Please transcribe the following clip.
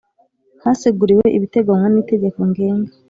Haseguriwe ibiteganywa n Itegeko Ngenga